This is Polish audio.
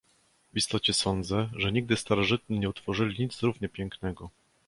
"W istocie sądzę, że nigdy starożytni nie utworzyli nic równie pięknego."